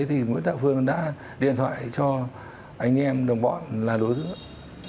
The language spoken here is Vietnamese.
thì nguyễn tạ phương đã điện thoại cho anh em đồng bọn là đối tượng